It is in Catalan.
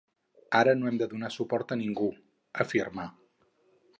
Ara no hem de donar suport a ningú, afirma.